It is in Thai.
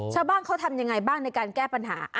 ชาวบ้านเขาทำยังไงบ้างในการแก้ปัญหา